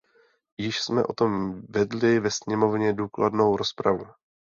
Již jsme o tom vedli ve sněmovně důkladnou rozpravu.